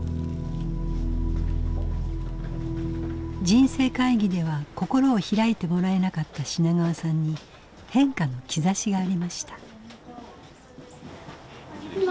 人生会議では心を開いてもらえなかった品川さんに変化の兆しがありました。